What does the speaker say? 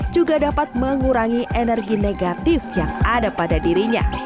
juga dapat mengurangi energi negatif yang ada pada dirinya